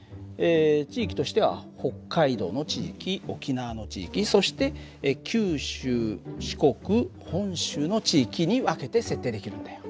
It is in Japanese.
地域としては北海道の地域沖縄の地域そして九州四国本州の地域に分けて設定できるんだよ。